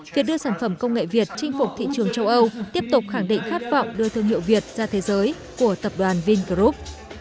việc đưa sản phẩm công nghệ việt chinh phục thị trường châu âu tiếp tục khẳng định khát vọng đưa thương hiệu việt ra thế giới của tập đoàn vingroup